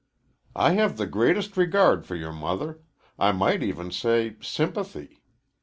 "I have the greatest regard for your mother I might even say sympathy.